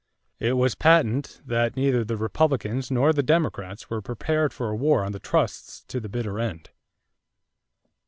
It was patent that neither the Republicans nor the Democrats were prepared for a war on the trusts to the bitter end.